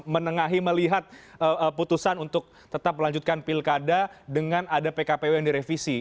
menengahi melihat putusan untuk tetap melanjutkan pilkada dengan ada pkpu yang direvisi